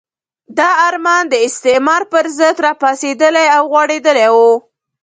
دا ارمان د استعمار پرضد راپاڅېدلی او غوړېدلی وو.